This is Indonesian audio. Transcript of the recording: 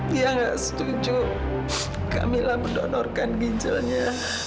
dia nggak setuju camilla mendonorkan ginjalnya